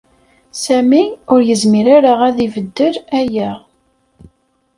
Sami ur yezmir ara ad ibeddel aya.